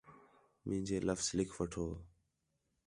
مینج لفظ لِکھ وٹھو